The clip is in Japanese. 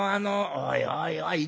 「おいおいおい。